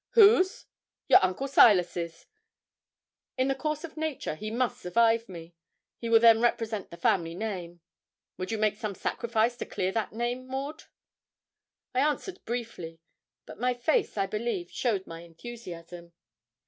'Whose? your uncle Silas's. In the course of nature he must survive me. He will then represent the family name. Would you make some sacrifice to clear that name, Maud?' I answered briefly; but my face, I believe, showed my enthusiasm.